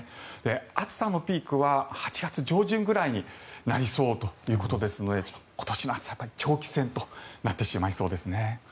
暑さのピークは８月上旬くらいになりそうということですので今年の暑さは長期戦となってしまいそうですね。